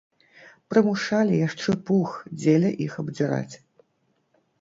Прымушалі яшчэ пух дзеля іх абдзіраць.